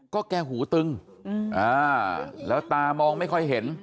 ก็แกหูตึงแล้วตามองไม่ค่อยเห็น